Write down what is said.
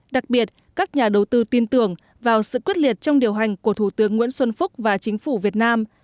đặc biệt các nhà đầu tư tin tưởng vào sự quyết liệt trong điều hành của thủ tướng nguyễn xuân phúc và chính phủ việt nam